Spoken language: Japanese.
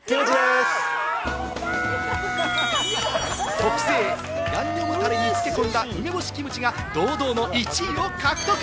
特製ヤンニョムタレに漬け込んだ梅干しキムチが堂々の１位を獲得！